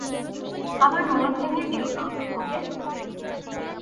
আমার মন ভেঙ্গে দিয়ো না, ওকে?